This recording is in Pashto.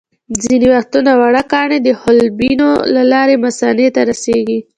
ځینې وخت واړه کاڼي د حالبینو له لارې مثانې ته رسېږي.